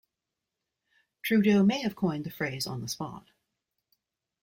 Trudeau may have coined the phrase on the spot.